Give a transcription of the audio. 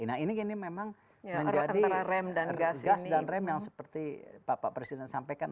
nah ini memang menjadi gas dan rem yang seperti bapak presiden sampaikan